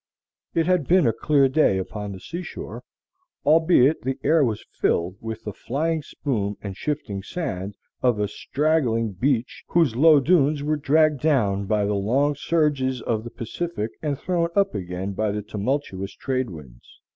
It had been a clear day upon the sea shore, albeit the air was filled with the flying spume and shifting sand of a straggling beach whose low dunes were dragged down by the long surges of the Pacific and thrown up again by the tumultuous trade winds.